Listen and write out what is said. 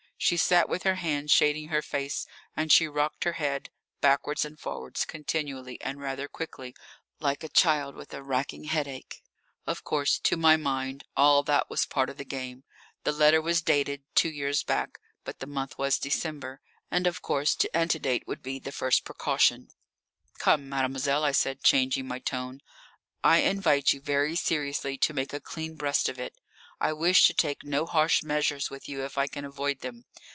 She sat with her hand shading her face, and she rocked her head backwards and forwards continually and rather quickly, like a child with a racking headache. Of course, to my mind all that was part of the game. The letter was dated two years back, but the month was December, and, of course, to antedate would be the first precaution. "Come, mademoiselle," I said, changing my tone, "I invite you very seriously to make a clean breast of it. I wish to take no harsh measures with you if I can avoid them.